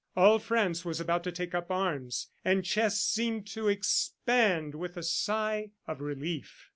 All France was about to take up arms, and chests seemed to expand with a sigh of relief.